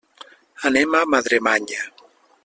Anem a Madremanya.